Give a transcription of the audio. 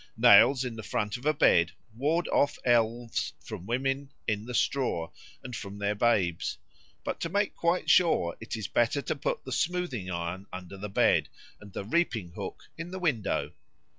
Nails in the front of a bed ward off elves from women "in the straw" and from their babes; but to make quite sure it is better to put the smoothing iron under the bed, and the reaping hook in the window.